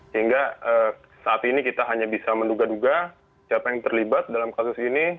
sehingga saat ini kita hanya bisa menduga duga siapa yang terlibat dalam kasus ini